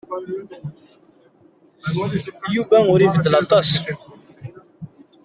Yuba ur ibeddel aṭas.